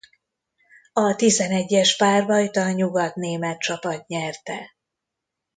A tizenegyes-párbajt a nyugat-német csapat nyerte.